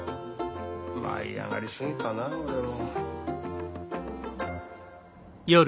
舞い上がり過ぎたな俺も。